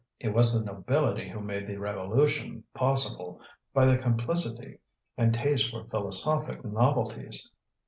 "It was the nobility who made the Revolution possible, by their complicity and taste for philosophic novelties.